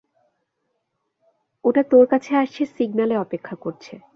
ওটা তোর কাছে আসছে সিগন্যালে অপেক্ষা করছে।